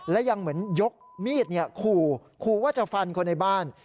และยังเหมือนยกมีดขู่ขู่ว่าจะฟันคนในบ้าน